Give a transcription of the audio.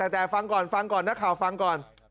แต่ฟังก่อนฟังก่อนนักข่าวฟังก่อน